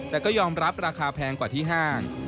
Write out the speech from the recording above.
แต่ก็ยอมรับราคาแพงกว่าที่ห้าง